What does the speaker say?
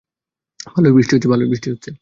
ভালোই বৃষ্টি হচ্ছে।